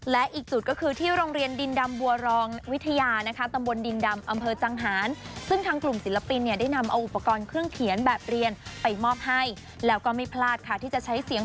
และอีกจุดก็คือที่โรงเรียนดินดำบัวรองวิทยานะคะตำบลดินดำอำเภอจังหารซึ่งทางกลุ่มศิลปินเนี่ยได้นำเอาอุปกรณ์เครื่องเขียนแบบเรียนไปมอบให้แล้วก็ไม่พลาดค่ะที่จะใช้เสียง